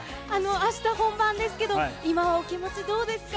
あした本番ですけど、今、お気持ち、どうですか？